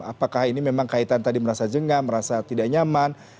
apakah ini memang kaitan tadi merasa jengah merasa tidak nyaman